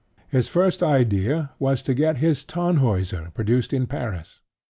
His first idea was to get his Tannhauser produced in Paris.